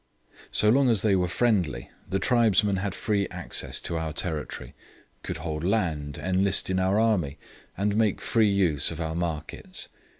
So long as they were friendly the tribesmen had free access to our territory, could hold land, enlist in our army, and make free use of our markets.